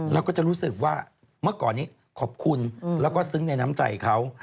เราก็จะรู้สึกว่าเมื่อก่อนนี้ขอบคุณแล้วก็ซึ้งในน้ำใจเขา